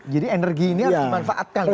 jadi energi ini harus dimanfaatkan gitu ya